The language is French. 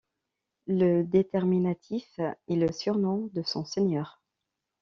Le déterminatif est le surnom de son seigneur.